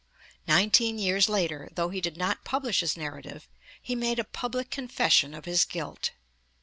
Nineteen years later, though he did not publish his narrative, he made a public confession of his guilt.